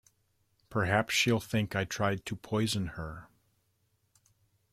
Perhaps she’ll think I tried to poison her.